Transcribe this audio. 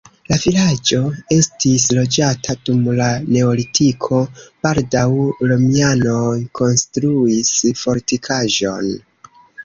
La vilaĝo estis loĝata dum la neolitiko, baldaŭ romianoj konstruis fortikaĵon.